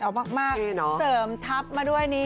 เอามากเสริมทัพมาด้วย